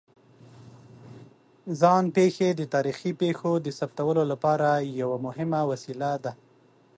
ځان پېښې د تاریخي پېښو د ثبتولو لپاره یوه مهمه وسیله ده.